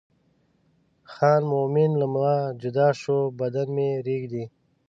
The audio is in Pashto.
خان مومن له ما جدا شو بدن مې رېږدي.